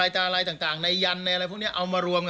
จะอะไรต่างในยันในอะไรพวกนี้เอามารวม